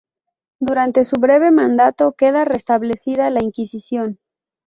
Durante su breve mandato queda restablecida la Inquisición.